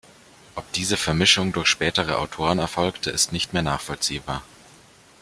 Ob diese Vermischung durch spätere Autoren erfolgte, ist nicht mehr nachvollziehbar.